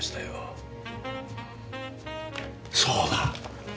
そうだ！